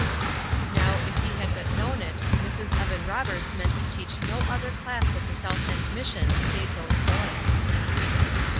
Now, if he had but known it, Mrs. Evan Roberts meant to teach no other class at the South End Mission save those boys.